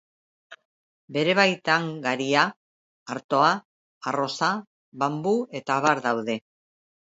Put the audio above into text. Bere baitan garia, artoa, arroza, banbu eta abar daude.